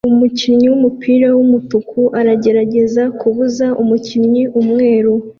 Umukinnyi wumupira wumutuku aragerageza kubuza umukinnyi umweru